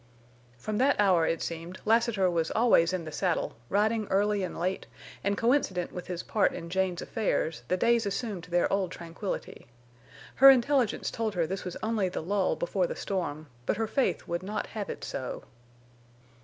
From that hour, it seemed, Lassiter was always in the saddle, riding early and late, and coincident with his part in Jane's affairs the days assumed their old tranquillity. Her intelligence told her this was only the lull before the storm, but her faith would not have it so.